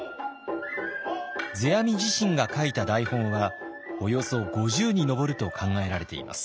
世阿弥自身が書いた台本はおよそ５０に上ると考えられています。